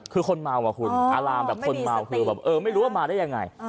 คือคนเมาอะคุณอารามแบบคนเมาคือแบบเออไม่รู้ว่ามาได้ยังไง